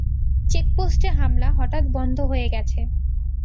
চেকপোস্টে হামলা হঠাৎ বন্ধ হয়ে গেছে।